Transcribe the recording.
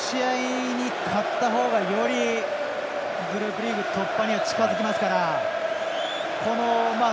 ここで、この試合に勝った方が、よりグループリーグ突破には近づきますから。